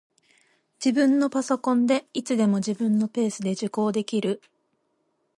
自分のパソコンで、いつでも自分のペースで受講できる